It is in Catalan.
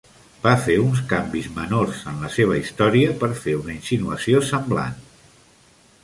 Va fer uns canvis menors en la seva història per fer una insinuació semblant.